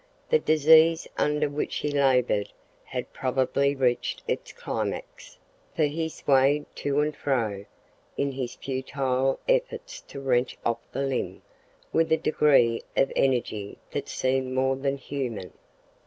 The disease under which he laboured had probably reached its climax, for he swayed to and fro, in his futile efforts to wrench off the limb, with a degree of energy that seemed more than human.